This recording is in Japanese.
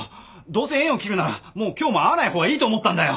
どうせ縁を切るならもう今日も会わない方がいいと思ったんだよ。